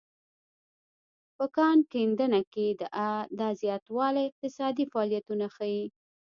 په کان کیندنه کې دا زیاتوالی اقتصادي فعالیتونه ښيي.